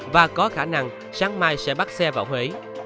và có khả năng sáng mai sẽ bắt xe vào huế